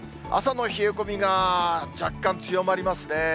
朝の冷え込みが若干強まりますね。